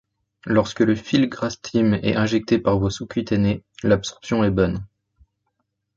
Lorsque le filgrastim est injecté par voie sous-cutanée, l'absorption est bonne.